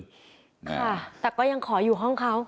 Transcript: ค่ะแต่ก็ยังขออยู่ห้องเขา